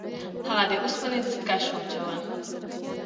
هغه د اوسپنې دستکش واچول.